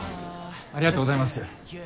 ありがとうございます。